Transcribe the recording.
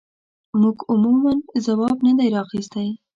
موږ عموماً ځواب نه دی اخیستی.